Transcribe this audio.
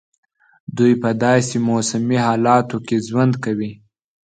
دوی په داسي موسمي حالاتو کې ژوند کوي.